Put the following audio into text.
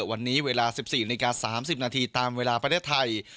วันนี้เวลา๑๔นาฬิกา๓๐นาทีตามเวลาประเทศไทย